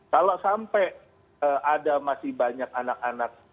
kalau sampai ada masih banyak anak anak